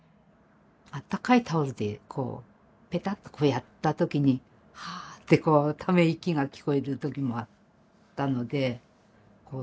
あったかいタオルでこうペタッとこうやった時に「はあ」ってこうため息が聞こえる時もあったのでこう